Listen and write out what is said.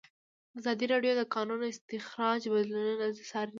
ازادي راډیو د د کانونو استخراج بدلونونه څارلي.